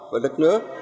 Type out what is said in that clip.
của đất nước